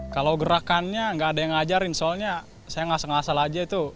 kalau gerakannya nggak ada yang ngajarin soalnya saya ngasel ngasel aja itu